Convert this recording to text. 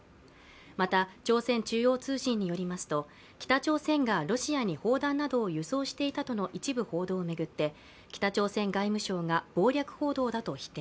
また、朝鮮中央通信によりますと北朝鮮がロシアに砲弾などを輸送していたとの一部報道を巡って北朝鮮外務省が、謀略報道だと否定。